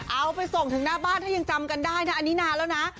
เอาไปส่งถึงหน้าบ้านถ้ายังจำกันได้นะอันนี้นานแล้วนะ